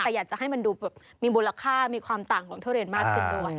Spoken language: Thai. แต่อยากจะให้มันดูแบบมีมูลค่ามีความต่างของทุเรียนมากขึ้นด้วย